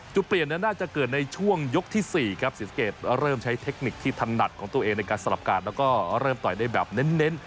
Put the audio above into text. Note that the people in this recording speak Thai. จุดเปลี่ยนนั้นน่าจะเกิดในช่วงยกที่๔ครับศรีสะเกดเริ่มใช้เทคนิคที่ถนัดของตัวเองในการสลับการแล้วก็เริ่มต่อยได้แบบเน้น